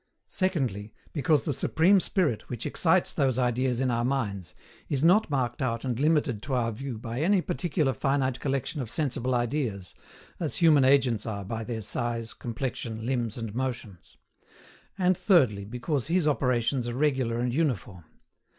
SECONDLY, because the Supreme Spirit which excites those ideas in our minds, is not marked out and limited to our view by any particular finite collection of sensible ideas, as human agents are by their size, complexion, limbs, and motions. And thirdly, because His operations are regular and uniform.